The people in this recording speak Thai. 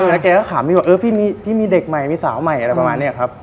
แล้วแกก็ขำพี่มีเด็กใหม่มีสาวใหม่อะไรประมาณเนี่ยครับ